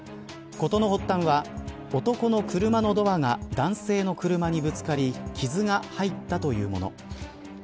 事の発端は男の車のドアが男性の車にぶつかり傷が入ったというもの。